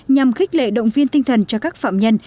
nhằm khích lệ động viên tinh thần cho các phạm nhân